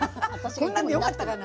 こんなんでよかったかな。